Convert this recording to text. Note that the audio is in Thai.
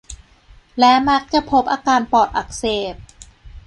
และมักจะพบอาการปอดอักเสบ